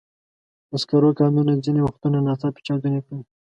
د سکرو کانونه ځینې وختونه ناڅاپي چاودنې کوي.